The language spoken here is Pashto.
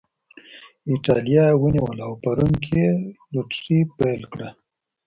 اېټالیا یې ونیوله او په روم کې یې لوټري پیل کړه